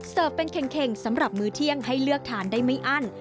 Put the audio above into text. เป็นเข่งสำหรับมือเที่ยงให้เลือกทานได้ไม่อั้น